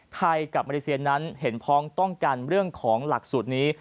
กับมาเลเซียนั้นเห็นพ้องต้องกันเรื่องของหลักสูตรนี้